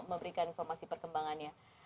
akan memberikan informasi perkembangannya